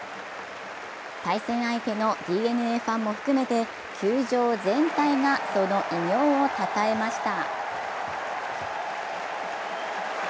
対戦相手のＤｅＮＡファンを含めて球場全体がその偉業をたたえました。